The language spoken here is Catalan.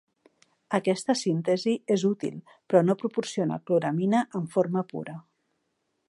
Aquesta síntesi és útil però no proporciona cloramina en forma pura.